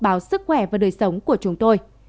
báo sức khỏe và đời sống của chúng tôi